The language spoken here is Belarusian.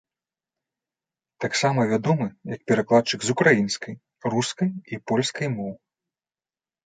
Таксама вядомы як перакладчык з украінскай, рускай і польскай моў.